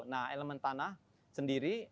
nah ilmen tanah sendiri